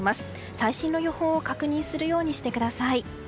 最新の予報を確認するようにしてください。